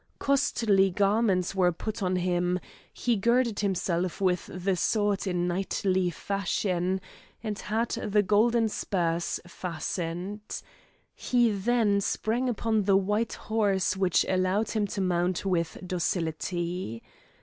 Costly garments were put on him, he girded himself with the sword in knightly fashion, and had the golden spurs fastened. He then sprang upon the white horse which allowed him to mount with docility.